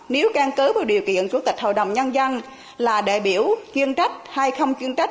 nếu can cứ vào điều kiện chủ tịch hội đồng nhân dân là đại biểu chuyên trách hay không chuyên trách